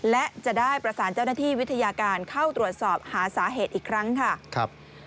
และจะได้ประสานเจ้าหน้าที่วิทยาการเข้าตรวจสอบหาสาเหตุอีกครั้งค่ะ